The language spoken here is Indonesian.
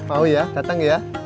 mau ya datang ya